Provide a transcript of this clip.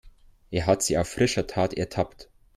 Er hat sie auf frischer Tat ertappt.